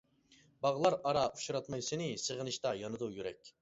باغلار ئارا ئۇچراتماي سېنى، سېغىنىشتا يانىدۇ يۈرەك.